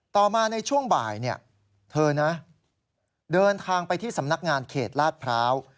ต่อมาในช่วงบ่ายเธอนะเดินทางไปที่สำนักงานเขตลาดพร้าว